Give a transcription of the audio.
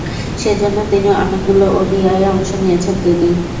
সেজন্যে তিনি অনেকগুলো ওডিআইয়ে অংশ নিয়েছেন তিনি।